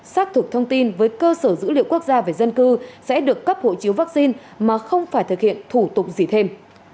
xác thực thông tin với cơ sở dữ liệu quốc gia về dân cư sẽ được cấp hộ chiếu vaccine mà không phải thực hiện thủ tục gì thêm